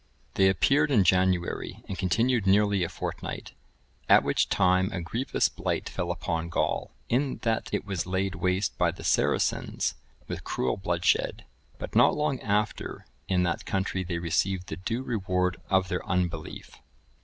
They appeared in January, and continued nearly a fortnight. At which time a grievous blight fell upon Gaul, in that it was laid waste by the Saracens with cruel bloodshed; but not long after in that country they received the due reward of their unbelief.